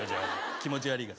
気持ち悪いから。